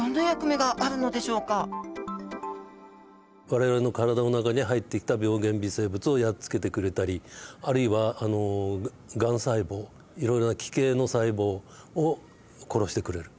我々の体の中に入ってきた病原微生物をやっつけてくれたりあるいはガン細胞いろいろな奇形の細胞を殺してくれる。